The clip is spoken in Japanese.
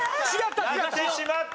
やってしまった。